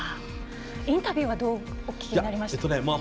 インタビューはどうお聞きになりましたか？